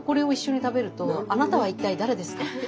あなたは一体誰ですかって。